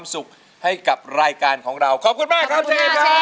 ตอนนี้เวทีของเราก็โล่งอยู่